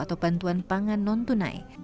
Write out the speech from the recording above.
dan program keuangan non tunai